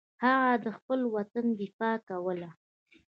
هغه د خپل وطن دفاع کوله.